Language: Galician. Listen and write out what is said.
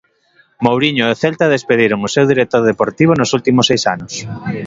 Mouriño e o Celta despediron o seu director deportivo nos últimos seis anos.